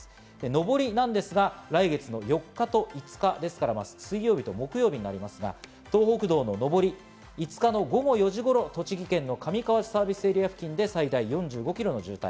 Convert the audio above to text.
上りなんですが来月の４日と５日、ですから水曜日と木曜日になりますが、東北道の上り、５日の午後４時頃、栃木県の上河内サービスエリア付近で最大４５キロの渋滞。